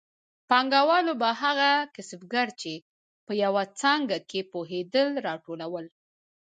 پانګوالو به هغه کسبګر چې په یوه څانګه کې پوهېدل راټولول